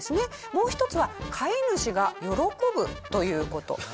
もう１つは飼い主が喜ぶという事。